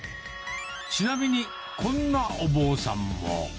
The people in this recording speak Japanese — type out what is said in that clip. ちなみにこんなお坊さんも。